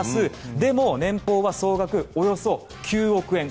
でも年俸は総額およそ９億円。